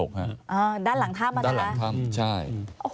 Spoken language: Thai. ด้านหลังท่ามันนะคะด้านหลังท่ามใช่